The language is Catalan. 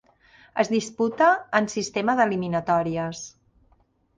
Es disputa en sistema d'eliminatòries.